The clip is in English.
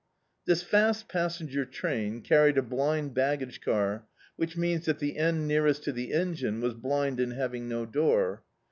This fast passenger train carried a blind ba^jage car, which means that the end nearest to the engine was blind in having no door.